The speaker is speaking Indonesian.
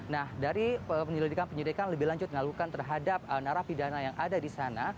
nah dari penyelidikan penyelidikan lebih lanjut mengalukan terhadap narapidana yang ada di sana